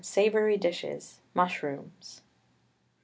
SAVOURY DISHES. MUSHROOMS.